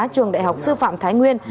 trường đại học sư phạm thái nguyên